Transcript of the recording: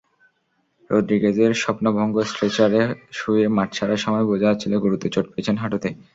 রদ্রিগেজের স্বপ্নভঙ্গস্ট্রেচারে শুয়ে মাঠ ছাড়ার সময় বোঝা যাচ্ছিল, গুরুতর চোট পেয়েছেন হাঁটুতে।